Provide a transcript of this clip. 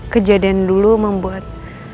kejadian dulu membuat